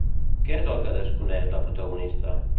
Què és el que desconeix la protagonista?